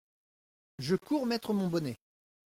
Je cours mettre mon bonnet.